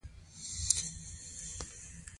د جبل السراج سمنټو فابریکه فعاله ده؟